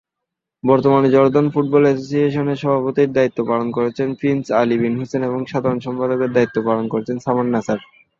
বর্তমানে Jordan football অ্যাসোসিয়েশনের সভাপতির দায়িত্ব পালন করছেন প্রিন্স আলি বিন হুসেইন এবং সাধারণ সম্পাদকের দায়িত্ব পালন করছেন সামার নাসার।